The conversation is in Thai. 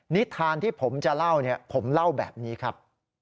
นิทานที่ผมจะเล่าเนี่ยผมเล่าแบบนี้ครับ